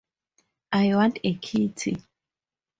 I want a kitty.